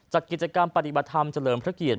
จัดกิจกรรมปฏิบัติธรรมเฉลิมพระเกียรติ